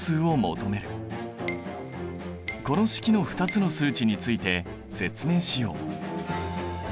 この式の２つの数値について説明しよう。